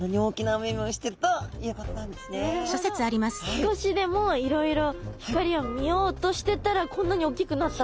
少しでもいろいろ光を見ようとしてったらこんなにおっきくなったんだ！